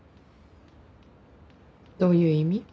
どういう意味？